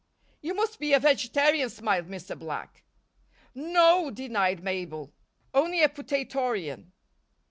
"You must be a vegetarian," smiled Mr. Black. "N no," denied Mabel. "Only a potatorian."